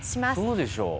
そうでしょう。